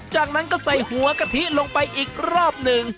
จากนั้นก็ใส่หัวกะทิลงไปอีกรอบหนึ่ง